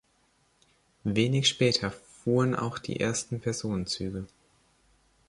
Wenig später fuhren auch die ersten Personenzüge.